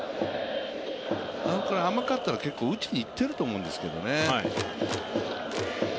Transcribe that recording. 甘かったら結構打ちにいっているとおもうんですけどね。